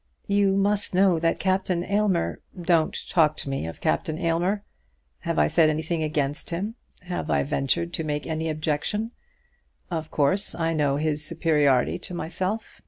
"You must know that Captain Aylmer " "Don't talk to me of Captain Aylmer. Have I said anything against him? Have I ventured to make any objection? Of course, I know his superiority to myself.